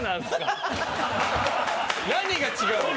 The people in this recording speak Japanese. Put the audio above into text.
・何が違うの？